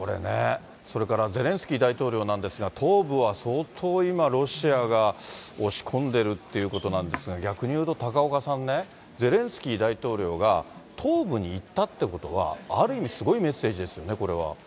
それからゼレンスキー大統領なんですが、東部は相当今、ロシアが押し込んでるっていうことなんですが、逆に言うと高岡さんね、ゼレンスキー大統領が東部に行ったってことは、ある意味、すごいメッセージですよね、これは。